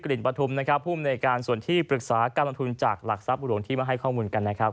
ลิ่นปฐุมนะครับภูมิในการส่วนที่ปรึกษาการลงทุนจากหลักทรัพย์หลวงที่มาให้ข้อมูลกันนะครับ